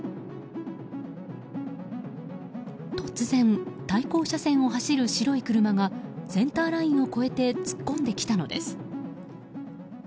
突然、対向車線を走る白い車がセンターラインを越えて突っ込んできたのです。